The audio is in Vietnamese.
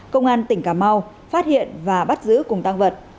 công an tỉnh cà mau phát hiện và bắt giữ cùng tăng vật